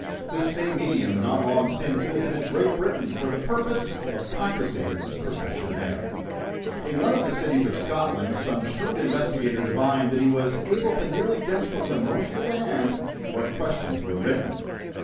This same medium, not long since, visited Great Britain for the purpose of practicing his profession there. In one of the cities of Scotland, some shrewd investigator divined that he was able to nearly guess from the motion of the hand what questions were written.